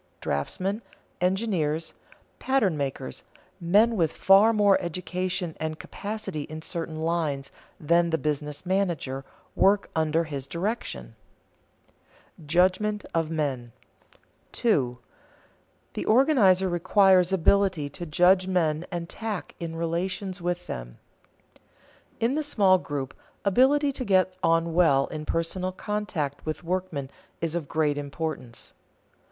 Draftsmen, engineers, pattern makers, men with far more education and capacity in certain lines than the business manager, work under his direction. [Sidenote: Judgment of men] 2. The organizer requires ability to judge men and tact in relations with them. In the small group, ability to get on well in personal contact with workmen is of great importance.